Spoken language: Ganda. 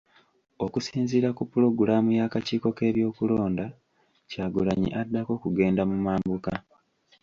Okusinziira ku pulogulaamu y'akakiiko k'ebyokulonda, Kyagulanyi addako kugenda mu mambuka .